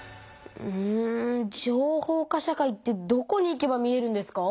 うん情報化社会ってどこに行けば見えるんですか？